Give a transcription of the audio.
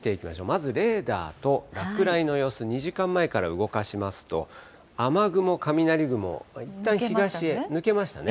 まずレーダーと落雷の様子、２時間前から動かしますと、雨雲、雷雲、いったん東へ抜けましたね。